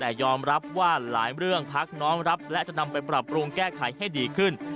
แต่ยอมรับว่าหลายเรื่องพักน้อมรับและจะนำไปปรับปรุงแก้ไขให้ดีขึ้น